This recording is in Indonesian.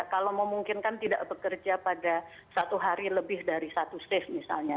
kalau memungkinkan tidak bekerja pada satu hari lebih dari satu shift misalnya